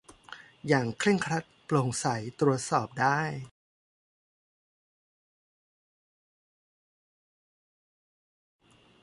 อย่างเคร่งครัด โปร่งใส ตรวจสอบได้